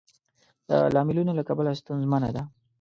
د لاملونو له کبله ستونزمنه ده.